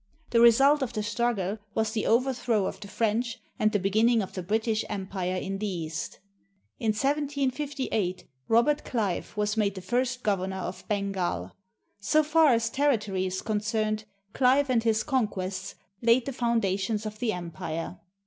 The result of the struggle was the overthrow of the French and the beginning of the British Empire in the East. In 1758, Robert Clive was made the first governor of Bengal. So far as territory is concerned, Clive and his conquests laid the foundations of the empire.